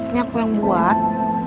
ini aku yang buat